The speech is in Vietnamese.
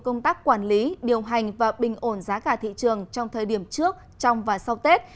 công tác quản lý điều hành và bình ổn giá cả thị trường trong thời điểm trước trong và sau tết